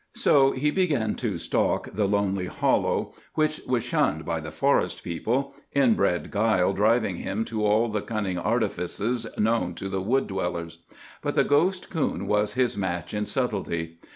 So he began to stalk the lonely hollow which was shunned by the forest people, inbred guile driving him to all the cunning artifices known to the wood dwellers. But the ghost coon was his match in subtlety.